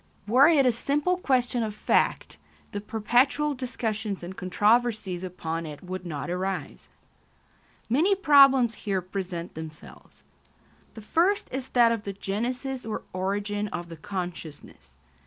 Were it a simple question of fact, the perpetual discussions and controversies upon it would not arise. Many problems here present themselves. The first is that of the genesis or origin of the consciousness.